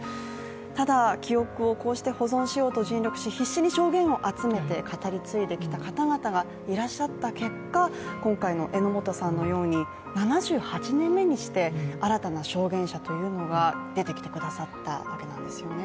ただ、記憶をこうして保存しようと尽力し必死に証言を集めて語り継いできた方々がいらっしゃった結果今回の榎本さんのように、７８年目にして新たな証言者というのが出てきてくださったわけなんですよね。